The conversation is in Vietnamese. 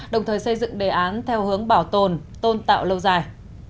đồng thời xây dựng đề án theo hướng bảo tồn tôn tạo lâu dài